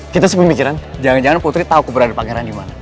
kita simpen mikiran jangan jangan putri tau keberadaan pangeran dimana